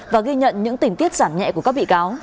và ghi nhận những tình tiết giảm nhẹ của các bị cáo